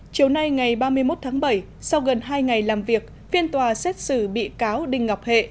chiều nay ngày ba mươi một tháng bảy sau gần hai ngày làm việc phiên tòa xét xử bị cáo đinh ngọc hệ